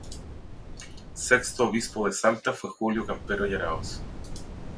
Sexto obispo de Salta fue Julio Campero y Aráoz.